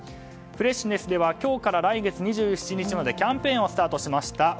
フレッシュネスでは今日から来月２７日までキャンペーンをスタートしました。